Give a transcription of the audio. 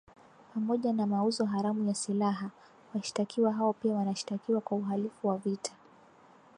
Pamoja na mauzo haramu ya silaha, washtakiwa hao pia wanashtakiwa kwa uhalifu wa vita